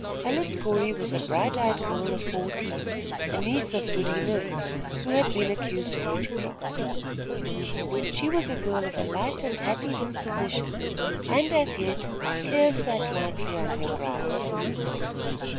Alice Corey was a bright eyed girl of fourteen, a niece of Goody Nurse who had been accused of witchcraft. She was a girl of a light and happy disposition, and, as yet, cares sat lightly on her brow.